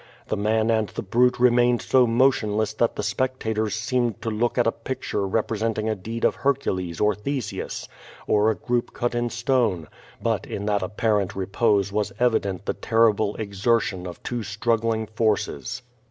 The man and the brute remained so motionless that the spec tators seemed to look at a picture representing a deed of Hercules or Theseus, or a group cut in stone. But in that apparent repose was evident the terrible exertion of two strug gling forces.